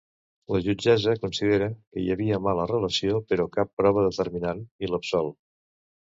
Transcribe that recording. La jutgessa considera que hi havia mala relació, però cap prova determinant, i l'absol.